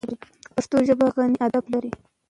پښتو ژبه غني ادب لري.